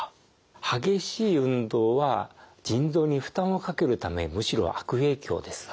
激しい運動は腎臓に負担をかけるためむしろ悪影響です。